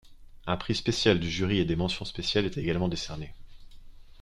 Un prix spécial du Jury et des Mentions spéciales étaient également décernés.